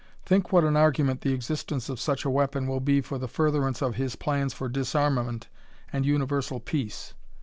Think what an argument the existence of such a weapon will be for the furtherance of his plans for disarmament and universal peace!